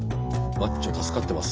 マッチョ助かってます。